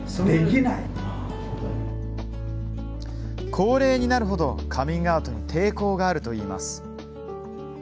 高齢になるほどカミングアウトに抵抗があるといいます。